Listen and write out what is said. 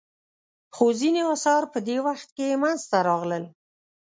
خو ځینې اثار په دې وخت کې منځته راغلل.